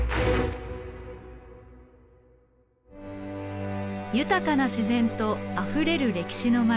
豊かな自然とあふれる歴史の町近江八幡。